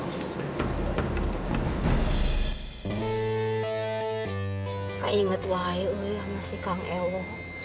kak inget lah ya udah ya masih kang ewa